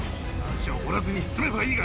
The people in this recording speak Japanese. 足を折らずに済めばいいが。